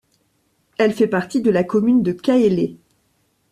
Elle fait partie de la commune de Kaélé.